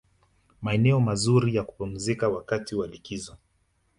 Maeneo mazuri ya kupumzikia wakati wa likizo